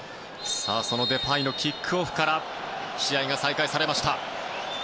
そのデパイのキックオフから試合が始まりました。